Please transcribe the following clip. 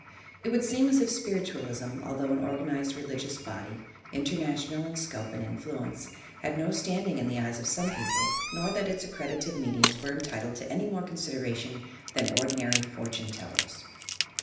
It would seem as if Spiritualism, although an organ ized religious body, international in scope and influence, had no standing in the eyes of some people nor that its accredited mediums were entitled to any more consid eration than ordinary "fortune tellers."